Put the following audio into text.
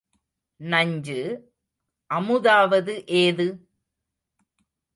நஞ்சு, அமுதாவது ஏது?